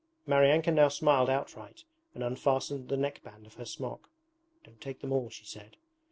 Maryanka now smiled outright and unfastened the neckband of her smock. 'Don't take them all,' she said.